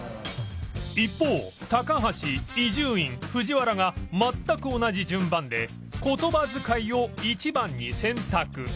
一方高橋伊集院藤原が全く同じ順番で言葉遣いを１番に選択